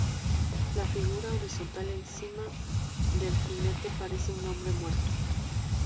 La figura horizontal encima del jinete parece un hombre muerto.